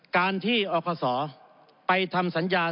การที่อคศไปทำสัญญา